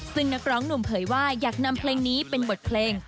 ซึ่งนักร้องหนุ่มเผยว่าอยากนำเพลงนี้เป็นบทเพลง